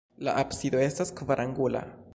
La absido estas kvarangula.